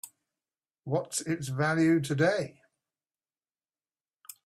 What's its value today?